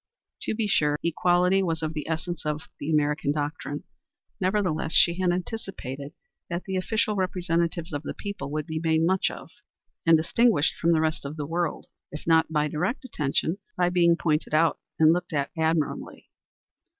To be sure, equality was of the essence of American doctrine; nevertheless she had anticipated that the official representatives of the people would be made much of, and distinguished from the rest of the world, if not by direct attention, by being pointed out and looked at admiringly.